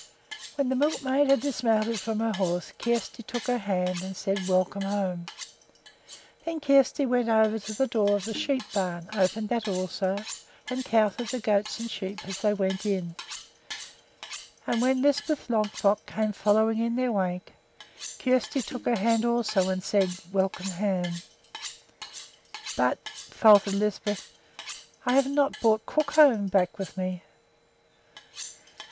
When the milkmaid had dismounted from her horse Kjersti took her hand and said, "Welcome home!" Then Kjersti went over to the door of the sheep barn, opened that also, and counted the goats and sheep as they went in; and when Lisbeth Longfrock came following in their wake, Kjersti took her hand also and said, "Welcome home!" "But," faltered Lisbeth, "I have not brought Crookhorn back with me."